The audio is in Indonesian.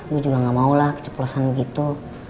gue juga gak mau lah keceplosan begitu